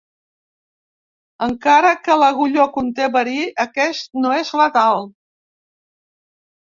Encara que l'agulló conté verí, aquest no és letal.